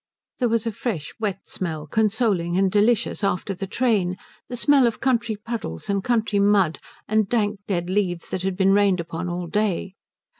There was a fresh wet smell, consoling and delicious after the train, the smell of country puddles and country mud and dank dead leaves that had been rained upon all day.